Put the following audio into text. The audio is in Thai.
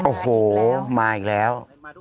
โอ้โหมาอีกแล้ว